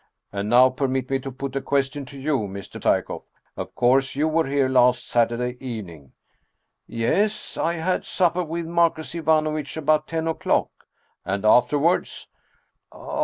" And now permit me to put a question to you, Mr. Psyekoff. Of course you were here last Saturday evening? "" Yes ! I had supper with Marcus Ivanovitch about ten o'clock." "And afterwards?"